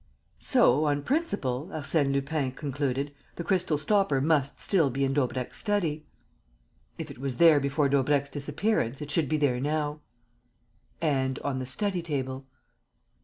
"So, on principle," Arsène Lupin concluded, "the crystal stopper must still be in Daubrecq's study?" "If it was there before Daubrecq's disappearance, it should be there now." "And on the study table."